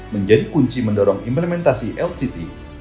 menjadi kunci mendorong implementasi lct